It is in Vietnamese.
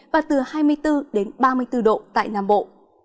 và từ hai mươi bốn đến ba mươi bốn độ tại nam bộ